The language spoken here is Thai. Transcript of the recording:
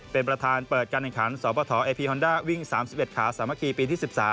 เป็นประธานเปิดการแข่งขันสปฐเอพีฮอนด้าวิ่ง๓๑ขาสามัคคีปีที่๑๓